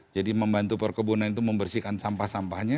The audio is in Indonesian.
jadi membantu perkebunan itu membersihkan sampah sampahnya